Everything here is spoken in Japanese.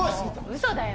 うそだよ。